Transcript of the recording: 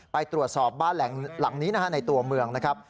ไปตรวจสอบบ้านหลังนี้นะฮะในตัวเมืองนะครับ